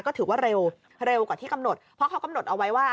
ก็ถือว่าเร็วเร็วกว่าที่กำหนดเพราะเขากำหนดเอาไว้ว่า